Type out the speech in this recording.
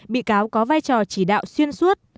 bị cáo có vai trò chỉ đạo xuyên suốt